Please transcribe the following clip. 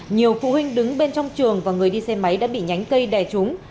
nhiều phụ huynh đứng bên trong trường và người đi xe máy đã bị nhánh cây đè trúng